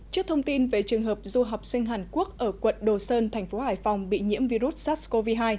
trước thông tin về trường hợp du học sinh hàn quốc ở quận đồ sơn thành phố hải phòng bị nhiễm virus sars cov hai